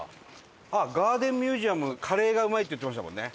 ガーデンミュージアムカレーがうまいって言ってましたもんね。